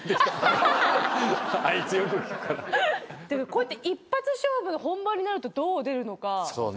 でもこうやって一発勝負本番になるとどう出るのか。